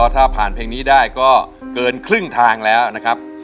ถ้าผ่านเพลงนี้ได้ก็เกินครึ่งทางแล้วนะครับ